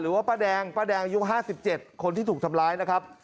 หรือว่าป้าแดงป้าแดงยุค๕๗คนที่ถูกทำร้ายนะครับ